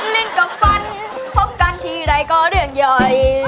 เล่นกับฟันพบกันทีไรก็เรื่องใหญ่